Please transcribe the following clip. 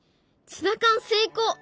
ツナ缶成功！